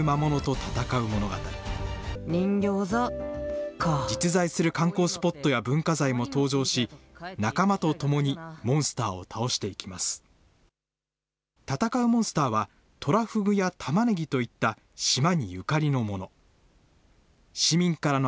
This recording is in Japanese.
戦うモンスターは、トラフグやたまねぎといった島にゆかりのもの。